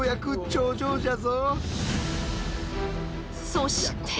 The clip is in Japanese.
そして。